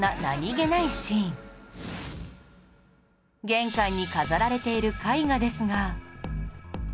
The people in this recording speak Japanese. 玄関に飾られている絵画ですが